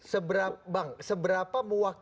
seberapa bang seberapa muak